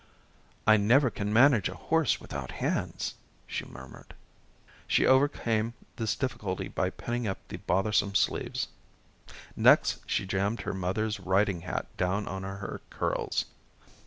"I never can manage a horse without hands," she murmured. She overcame this difficulty by pinning up the bothersome sleeves. Next, she jammed her mother's riding hat down on her curls.